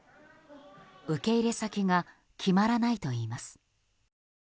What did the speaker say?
受け入れ先が決まらないといいます。